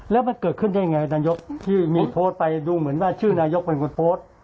แล้วมันเกิดขึ้นได้ยังไงนายกที่มีโพสต์ไปดูเหมือนว่าชื่อนายกเป็นคนโพสต์